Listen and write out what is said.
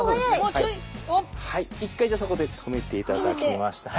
はい一回じゃそこで止めていただきまして。